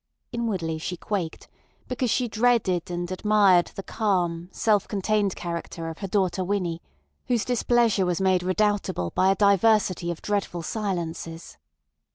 Inwardly she quaked, because she dreaded and admired the calm, self contained character of her daughter Winnie, whose displeasure was made redoubtable by a diversity of dreadful silences.